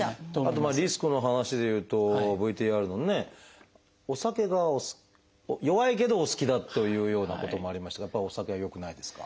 あとリスクの話で言うとＶＴＲのねお酒が弱いけどお好きだというようなこともありましたがやっぱりお酒は良くないですか？